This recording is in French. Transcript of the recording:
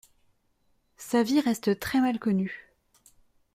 Sa vie reste très mal connue.